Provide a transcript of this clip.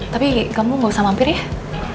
tapi kamu gak usah mampir ya